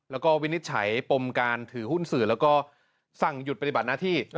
แล้วก็วินิจฉัยปมการถือหุ้นสื่อแล้วก็สั่งหยุดปฏิบัติหน้าที่